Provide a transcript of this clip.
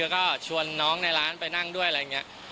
คือตอนนั้นหมากกว่าอะไรอย่างเงี้ย